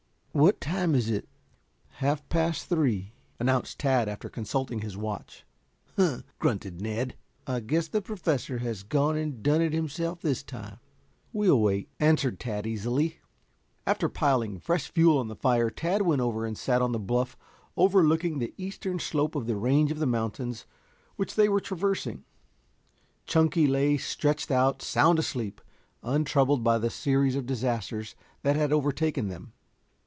"What time is it?" "Half past three," announced Tad after consulting his watch. "Huh!" grunted Ned. "I guess the Professor has gone and done it himself this time." "We'll wait," answered Tad easily. After piling fresh fuel on the fire Tad went over and sat on the bluff overlooking the eastern slope of the range of mountains which they were traversing. Chunky lay stretched out sound asleep, untroubled by the series of disasters that had overtaken them.